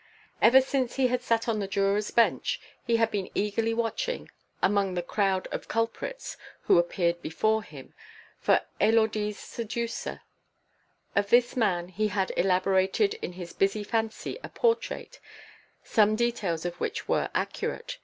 Ever since he had sat on the juror's bench, he had been eagerly watching, among the crowd of culprits who appeared before him, for Élodie's seducer; of this man he had elaborated in his busy fancy a portrait, some details of which were accurate.